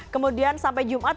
kemudian sampai jumat